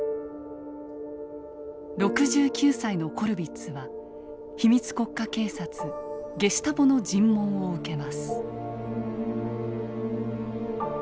６９歳のコルヴィッツは秘密国家警察ゲシュタポの尋問を受けます。